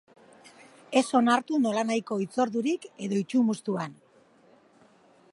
Ez onartu nolanahiko hitzordurik edo itsumustuan!